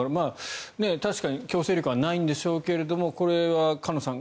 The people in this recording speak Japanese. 確かに強制力はないんでしょうけれどもこれは菅野さん